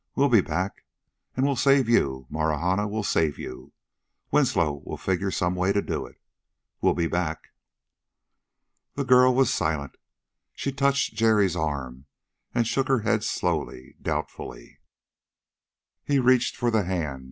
We'll be back. And we'll save you, Marahna, we'll save you. Winslow will figure some way to do it.... We'll be back...." The girl was silent. She touched Jerry's arm, and shook her head slowly, doubtfully. He reached for the hand.